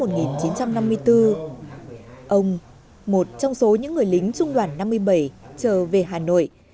ngày một mươi tháng một mươi năm một nghìn chín trăm năm mươi bốn ông một trong số những người lính trung đoàn năm mươi bảy trở về hà nội